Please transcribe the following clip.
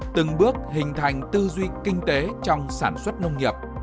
từng bước hình thành tư duy kinh tế trong sản xuất nông nghiệp